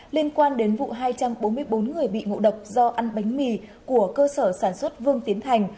liên quan đến vụ hai trăm bốn mươi bốn người bị ngộ độc do ăn bánh mì của cơ sở sản xuất vương tiến thành